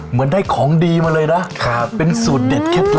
เหมือนได้ของดีมาเลยนะเป็นสูตรเด็ดเคล็ดลับ